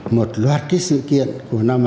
một loạt sự kiện của năm hai nghìn hai mươi một